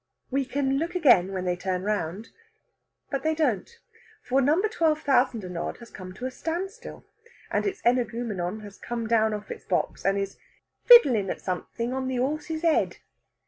We can look again, when they turn round. But they don't; for number twelve thousand and odd has come to a standstill, and its energumenon has come down off its box, and is "fiddlin' at something on the 'orse's 'ed."